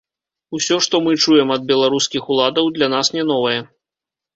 Усё, што мы чуем ад беларускіх уладаў, для нас не новае.